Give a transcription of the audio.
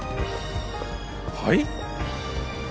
はい？